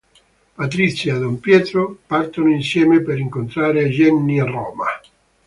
Patrizia e don Pietro partono insieme per incontrare Genny a Roma.